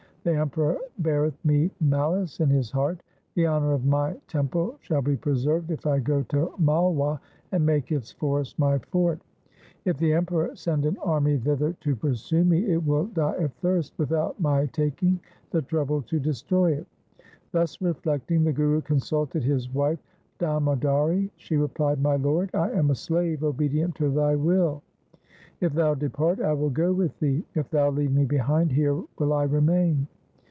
' The Emperor beareth me malice in his heart. The honour of my temple shall be preserved if I go to Malwa and make its forest my fort. If the Emperor send an army thither to pursue me, it will die of thirst without my taking the trouble to destroy it.' Thus reflecting, the Guru consulted his wife Damodari. She replied, ' My lord, I am a slave obedient to thy will. If thou depart, I will go with thee. If thou leave me behind, here will I remain.'